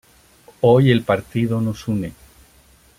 Hoy el Partido nos une.